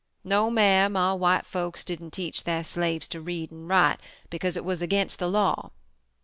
"No Mam, our white folks didn't teach their slaves to read and write because it was against the law.